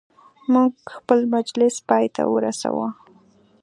موږ خپل مجلس پایته ورساوه.